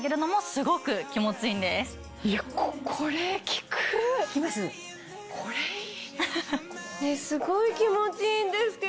すごい気持ちいいんですけど。